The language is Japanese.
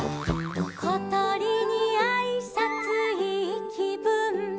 「ことりにあいさついいきぶん」